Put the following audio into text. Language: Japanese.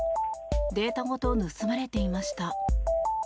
データごと盗まれていました。